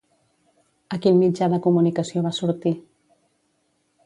A quin mitjà de comunicació va sortir?